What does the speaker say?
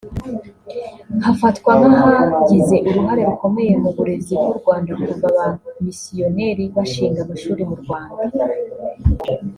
hafatwa nk’ahagize uruhare rukomeye mu burezi bw’u Rwanda kuva abamisiyoneri bashinga amashuri mu Rwanda